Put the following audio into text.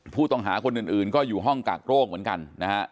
ผู้ต้องหาคนอื่นก็อยู่ห้องกากโรคเหมือนกันนะฮะ